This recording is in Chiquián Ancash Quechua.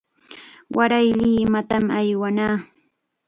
Waray Limatam aywanaa.